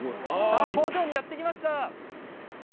工場にやって来ました。